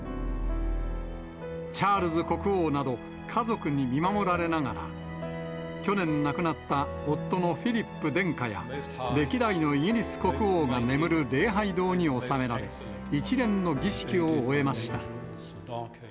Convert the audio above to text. チャールズ国王など家族に見守られながら、去年亡くなった夫のフィリップ殿下や歴代のイギリス国王が眠る礼拝堂に納められ、一連の儀式を終えました。